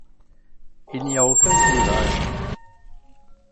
Il n'y a aucun clivage.